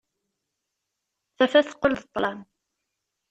Tafat teqqel d ṭṭlam.